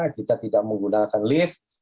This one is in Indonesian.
kita tidak menggunakan lift